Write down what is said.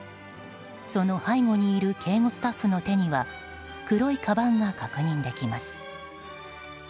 その背後にいる警護スタッフの手には黒いかばんが確認できます。